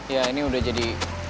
ya ini udah jadi